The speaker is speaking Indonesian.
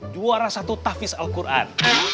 juara satu tafis al quran